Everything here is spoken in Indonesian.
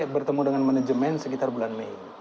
bertemu dengan manajemen sekitar bulan mei